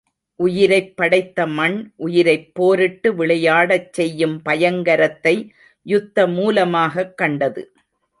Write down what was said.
உயிரைப் படைத்த மண், உயிரைப் போரிட்டு விளையாடச் செய்யும் பயங்கரத்தை யுத்த மூலமாகக் கண்டது.